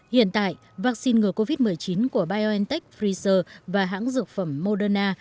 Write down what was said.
hiện tại vaccine ngừa covid một mươi chín của biontech pfizer và hãng dược phẩm moderna